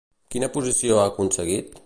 Quina posició ha aconseguit?